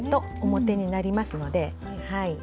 表になりますのではい。